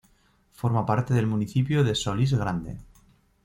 Forma parte del municipio de Solís Grande.